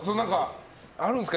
あるんですか？